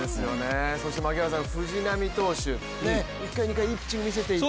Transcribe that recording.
そして槙原さん、藤浪投手、１回、２回、いいピッチング見せていた。